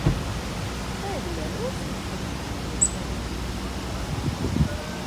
Tevi nemulsina, ka viņa atrodas tava vīra tuvumā?